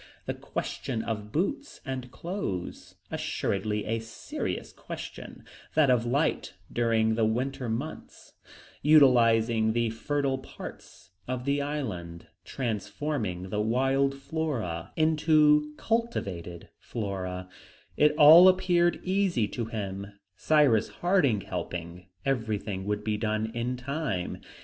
The question of boots and clothes assuredly a serious question, that of light during the winter months, utilizing the fertile parts of the island, transforming the wild flora into cultivated flora, it all appeared easy to him; Cyrus Harding helping, everything would be done in time.